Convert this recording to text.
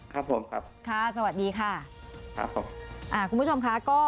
ครับผมครับค่ะสวัสดีค่ะคุณผู้ชมคะ